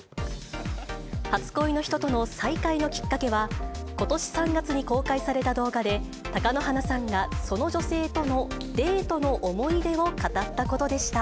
初恋の人との再会のきっかけは、ことし３月に公開された動画で、貴乃花さんがその女性とのデートの思い出を語ったことでした。